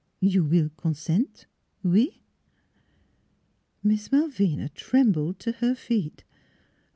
... You will consent ouif " Miss Malvina trembled to her feet.